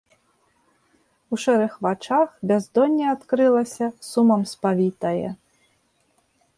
У шэрых вачах бяздонне адкрылася, сумам спавітае.